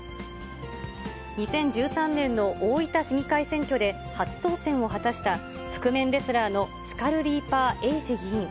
２０１３年の大分市議会選挙で初当選を果たした覆面レスラーのスカルリーパー・エイジ議員。